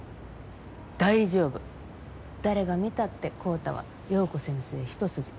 大丈夫誰が見たって昂太は陽子先生一筋。